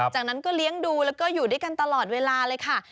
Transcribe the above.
จากนั้นก็เลี้ยงดูแล้วก็อยู่ด้วยกันตลอดเวลาเลยค่ะ